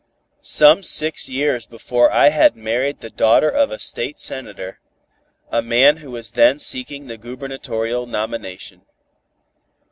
Some six years before I had married the daughter of a State Senator, a man who was then seeking the gubernatorial nomination.